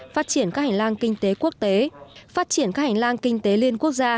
phát triển các hành lang kinh tế quốc tế phát triển các hành lang kinh tế liên quốc gia